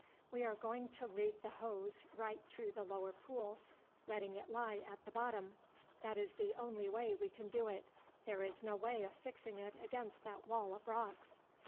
"We are going to lead the hose right through the lower pool, letting it lie at the bottom. That is the only way we can do it. There is no way of fixing it against that wall of rocks."